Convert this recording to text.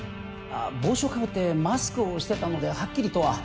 帽子をかぶってマスクをしてたのではっきりとは。